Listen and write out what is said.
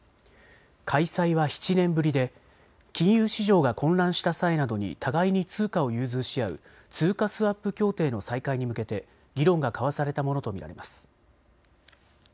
開催は７年ぶりで金融市場が混乱した際などに互いに通貨を融通し合う通貨スワップ協定の再開に向けて議論が交わされたものと見られます。